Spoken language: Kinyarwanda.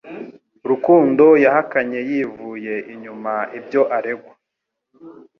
Rukundo yahakanye yivuye inyuma ibyo aregwa